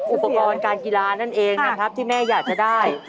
อุปกรณ์การกีฬานั่นเองนะครับที่แม่อยากจะได้